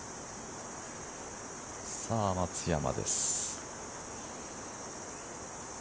さあ、松山です。